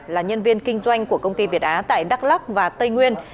là nhân viên kinh doanh của công ty việt á tại đắk lắc và tây nguyên